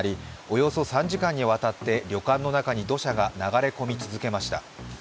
およそ３時間にわたって旅館の中に土砂が流れ込み続けました。